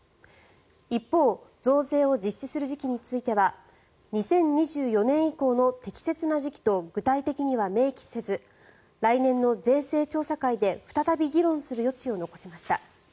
一方増税を実施する時期については２０２４年以降の適切な時期と具体的には明記せず来年の税制調査会で再び議論する余地を残しました。